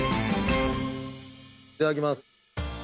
いただきます。